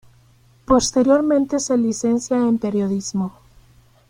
Posteriormente se licencia en Periodismo.